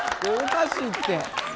おかしいって。